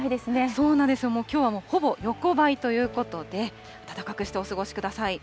そうなんですよ、もうきょうはほぼ横ばいということで、暖かくしてお過ごしください。